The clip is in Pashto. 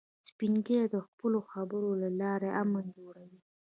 سپین ږیری د خپلو خبرو له لارې امن جوړوي